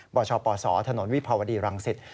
บชปศถวิภาวดีรังศิษฐ์